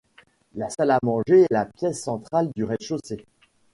La salle à manger est la pièce centrale du rez-de-chaussée.